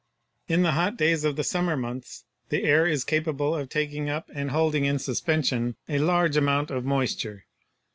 In the hot days of the summer months the air is capable of taking up and holding in suspension a large amount of moisture.